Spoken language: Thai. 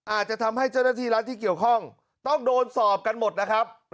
อาจจะทำให้เจ้าหน้าที่รัฐที่เกี่ยวข้องต้องโดนสอบกันหมดนะครับ